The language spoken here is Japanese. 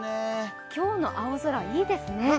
今日の青空、いいですね。